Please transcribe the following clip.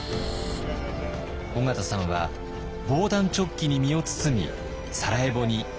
緒方さんは防弾チョッキに身を包みサラエボに降り立ちます。